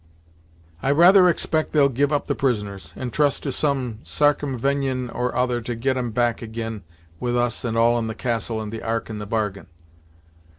I rather expect they'll give up the prisoners, and trust to some sarcumvenion or other to get 'em back ag'in, with us and all in the castle and the Ark in the bargain.